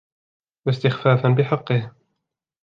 وَاسْتِخْفَافًا بِحَقِّهِ